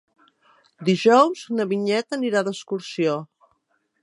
Dijous na Vinyet anirà d'excursió.